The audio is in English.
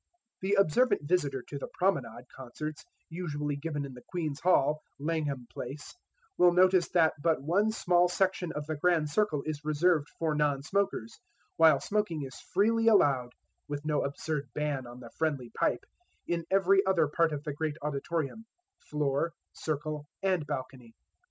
The observant visitor to the promenade concerts annually given in the Queen's Hall, Langham Place, will notice that but one small section of the grand circle is reserved for non smokers, while smoking is freely allowed (with no absurd ban on the friendly pipe) in every other part of the great auditorium floor, circle and balcony.